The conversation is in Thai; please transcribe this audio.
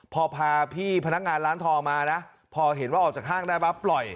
พอพาพี่พนักงานร้านทองมานะพอเห็นว่าออกจากห้างได้ปั๊บปล่อย